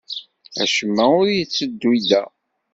Acemma ur la yetteddu da.